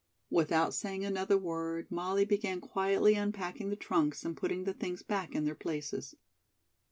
Without saying another word, Molly began quietly unpacking the trunks and putting the things back in their places.